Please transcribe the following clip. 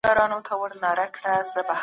هغه وویل چي افراط ډیر بد دی.